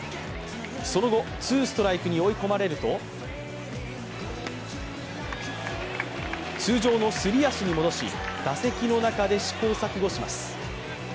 その後、ツーストライクに追い込まれると通常のすり足に戻し打席の中で試行錯誤します。